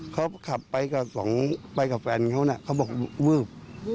เขาขับไปกับสองไปกับแฟนเขานะเขาบอกวืบ